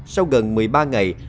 sau gần một mươi ba ngày